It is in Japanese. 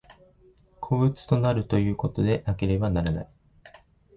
個物となるということでなければならない。